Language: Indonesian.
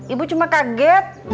ibu cuma kaget